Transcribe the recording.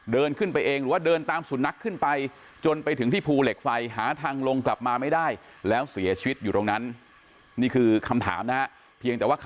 เดินขึ้นไปเองหรือว่าเดินตามสุนัขขึ้นไป